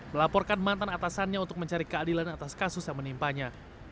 melaporkan mantan atasannya untuk mencari keadilan atas kasus yang menimpanya